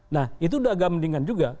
nah itu udah agak mendingan juga